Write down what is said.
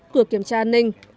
cửa kiểm tra an ninh